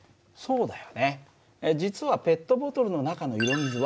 そうだよ。